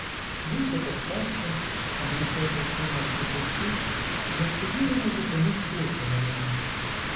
Він потоптався, обійшов очима всі кутки і несподівано зупинив очі на мені.